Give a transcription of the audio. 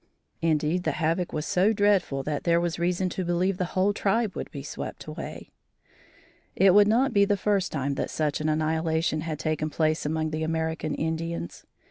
Indeed, the havoc was so dreadful that there was reason to believe the whole tribe would be swept away. It would not be the first time that such an annihilation has taken place among the American Indians.